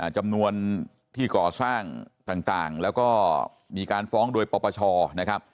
จำนวนที่ก่อสร้างต่างแล้วก็มีการฟ้องโดยปปชนะครับ